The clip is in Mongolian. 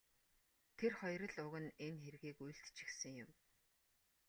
Тэр хоёр л уг нь энэ хэргийг үйлдчихсэн юм.